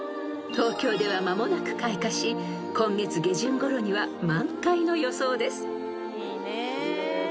［東京では間もなく開花し今月下旬ごろには満開の予想です］